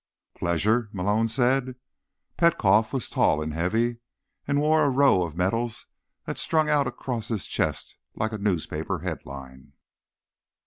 "Pleasure?" Malone said. Petkoff was tall and heavy, and wore a row of medals that strung out across his chest like a newspaper headline.